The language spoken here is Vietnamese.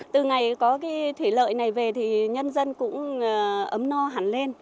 từ ngày có cái thủy lợi này về thì nhân dân cũng ấm no hẳn lên